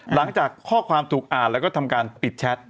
หลังจากข้อความถูกอ่านแล้วก็ทำการปิดแชท